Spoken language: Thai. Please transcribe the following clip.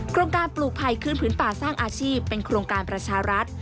โครงการปลูกภัยคืนผืนป่าสร้างอาชีพเป็นโครงการประชารัฐ